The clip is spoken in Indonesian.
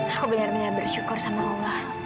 aku benar benar bersyukur sama allah